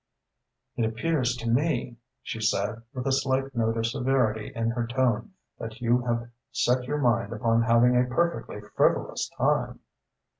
"It appears to me," she said, with a slight note of severity in her tone, "that you have set your mind upon having a perfectly frivolous time."